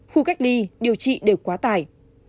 khu cách ly điều trị đều quá tải